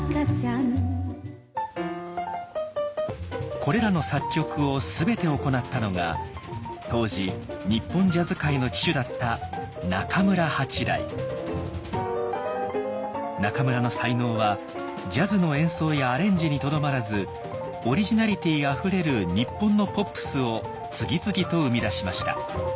これらの作曲を全て行ったのが当時日本ジャズ界の旗手だった中村の才能はジャズの演奏やアレンジにとどまらずオリジナリティーあふれる日本のポップスを次々と生み出しました。